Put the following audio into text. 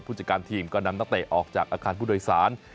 จัดการทีมก็นำนักเตะออกจากอาคารผู้โดยสาร